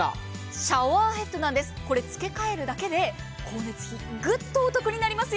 シャワーヘッド、付け替えるだけで光熱費、グッとお得になりますよ。